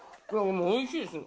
おいしいです。